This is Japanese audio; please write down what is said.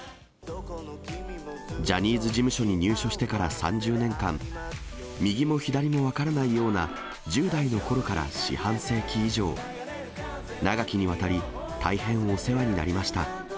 ジャニーズ事務所に入所してから３０年間、右も左も分からないような１０代のころから四半世紀以上、長きにわたり大変お世話になりました。